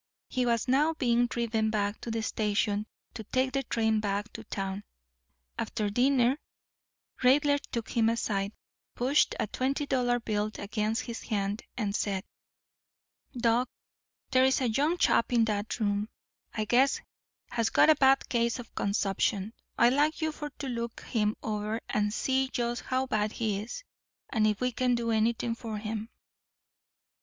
He was now being driven back to the station to take the train back to town. After dinner Raidler took him aside, pushed a twenty dollar bill against his hand, and said: "Doc, there's a young chap in that room I guess has got a bad case of consumption. I'd like for you to look him over and see just how bad he is, and if we can do anything for him."